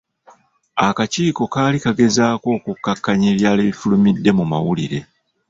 Akakiiko kaali kagezaako okukkakkanya ebyali bifulumidde mu mawulire.